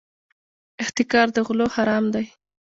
احتکار د غلو حرام دی.